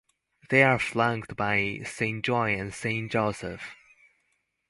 They are flanked by Saint John and Saint Joseph.